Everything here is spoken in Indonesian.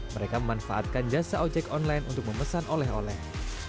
mereka memanfaatkan jasa ojek online untuk memesan oleh oleh